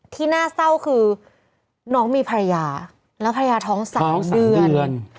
ที่น่าเศร้าคือน้องมีภรรยาแล้วภรรยาท้อง๓เดือน